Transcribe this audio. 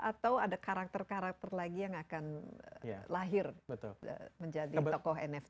atau ada karakter karakter lagi yang akan lahir menjadi tokoh nft